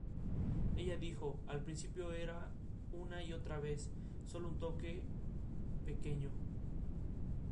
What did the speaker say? The Bullet!